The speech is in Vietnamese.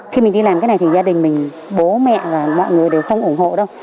khi mình đi làm cái này thì gia đình mình bố mẹ và mọi người đều không ủng hộ đâu